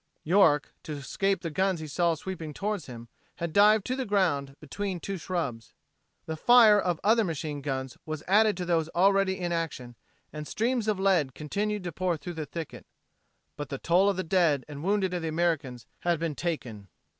York, to escape the guns he saw sweeping toward him, had dived to the ground between two shrubs. The fire of other machine guns was added to those already in action and streams of lead continued to pour through the thicket. But the toll of the dead and wounded of the Americans had been taken.